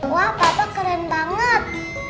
wah papa keren banget